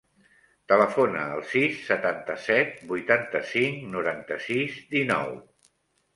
Telefona al sis, setanta-set, vuitanta-cinc, noranta-sis, dinou.